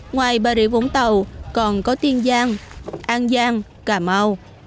ngoài bà rịa vũng tàu còn có tiên giang an giang cà mau